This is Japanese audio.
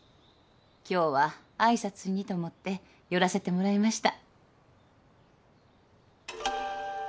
今日は挨拶にと思って寄らせてもらいました。